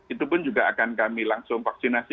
itu pun juga akan kami langsung vaksinasi